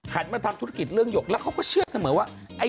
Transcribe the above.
มาทำธุรกิจเรื่องหยกแล้วเขาก็เชื่อเสมอว่า